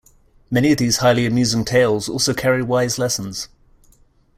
Many of these highly amusing tales also carry wise lessons.